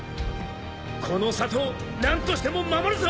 この里をなんとしても守るぞ！